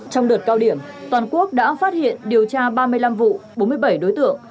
trong đợt cao điểm toàn quốc đã phát hiện điều tra ba mươi năm vụ bốn mươi bảy đối tượng